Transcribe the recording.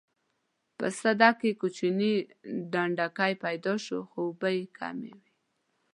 په سده کې کوچني ډنډکي پیدا شول خو اوبه یې کمې وې.